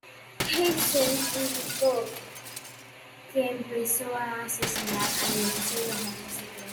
Hansen indicó que empezó a asesinar al inicio de los años setenta.